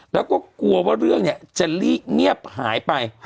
แล้วก็กลัวว่าเรื่องเนี่ยจะเงียบหายไป